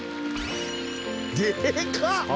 「でかっ！」